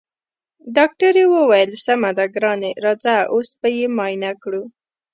ډاکټرې وويل سمه ده ګرانې راځه اوس به يې معاينه کړو.